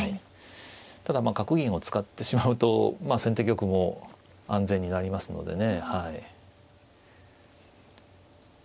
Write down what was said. ただまあ角銀を使ってしまうと先手玉も安全になりますのでね。